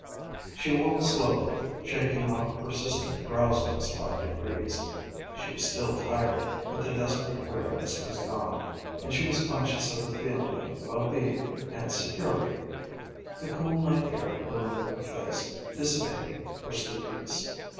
She awoke slowly, shaking off a persistent drowsiness by degrees. She was still tired, but the desperate weariness was gone, and she was conscious of a feeling of well being and security. The cool, night air blew in her face, dissipating her sleepiness.